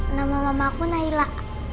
nama mamaku nailah